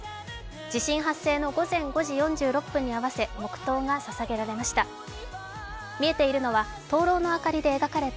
地震発生の午前５時４６分に合わせ黙とうがささげられました。